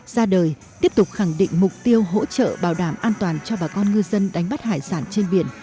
ra đời tiếp tục khẳng định mục tiêu hỗ trợ bảo đảm an toàn cho bà con ngư dân đánh bắt hải sản trên biển